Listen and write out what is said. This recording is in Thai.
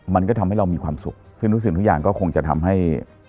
มันก็ทำให้เรามีความสุขซึ่งทุกสิ่งทุกอย่างก็คงจะทำให้